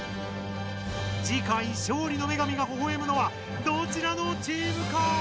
次回勝利の女神がほほえむのはどちらのチームか？